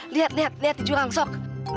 lihat lihat di jurang sok